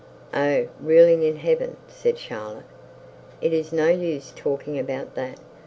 'Oh, ruling in heaven!' said Charlotte. 'It is no use talking about that.